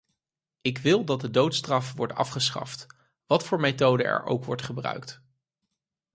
Ik wil dat de doodstraf wordt afgeschaft, wat voor methode er ook wordt gebruikt.